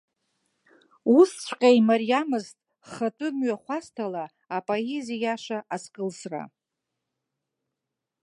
Усҵәҟьа имариамызт хатәымҩахәасҭала апоезиа иаша азкылсра.